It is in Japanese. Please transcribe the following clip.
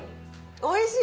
おいしい！